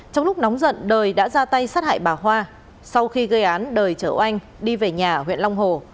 trong lúc nóng giận đời đã ra tay sát hại bà hoa sau khi gây án đời chở oanh đi về nhà huyện long hồ